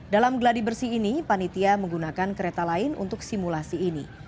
dalam geladi bersih ini panitia menggunakan kereta lain untuk simulasi ini